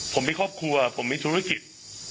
ผมมีครอบครัวผมมีธุรกิจ